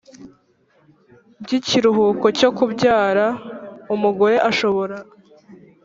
By ikiruhuko cyo kubyara umugore ashobora